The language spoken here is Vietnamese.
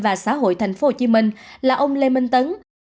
và xã hội tp hcm là ông lê minh tấn